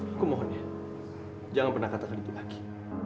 aku mohon ya jangan pernah katakan itu lagi